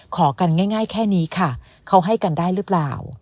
ขอกันง่ายแค่นี้ค่ะเขาให้กันได้หรือเปล่า